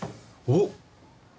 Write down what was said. おっ！